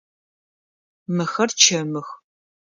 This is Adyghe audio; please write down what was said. Мыхэр чэмых.